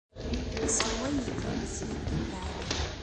Isseṛway-ikem s yirden lɛali.